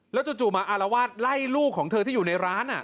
จู่มาอารวาสไล่ลูกของเธอที่อยู่ในร้าน